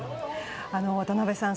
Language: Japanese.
渡辺さん